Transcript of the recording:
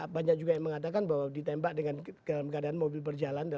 banyak juga yang mengatakan bahwa ditembak dengan keadaan mobil berjalan